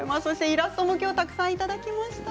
イラストも今日たくさんいただきました。